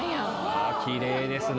わあきれいですね。